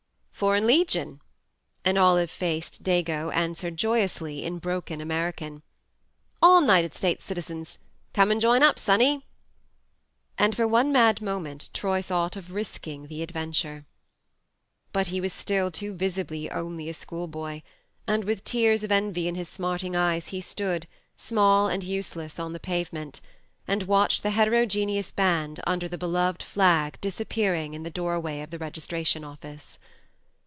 ... Foreign Legion," an olive faced "dago" an swered joyously in broken American. " All 'nited States citizens. ... Come and join up, sonnie. ..." And for one mad moment Troy thought of risking the adventure. But he was too visibly only a schoolboy still ; and with tears of envy in his smarting eyes he stood, small and useless, on the pavement, and watched the heterogeneous band under the beloved flag disappearing 24 THE MARNE in the doorway of the registration office.